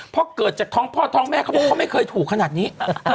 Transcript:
เพราะเกิดจากท้องพ่อท้องแม่เขาบอกเขาไม่เคยถูกขนาดนี้